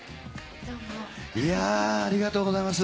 いやー、ありがとうございます。